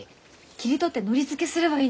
切り取ってのり付けすればいいんですね？